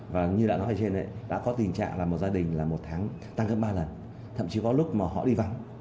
và như đã nói ở trên đã có tình trạng là một gia đình là một tháng tăng gấp ba lần thậm chí có lúc mà họ đi vắng